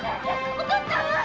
お父っつぁんは？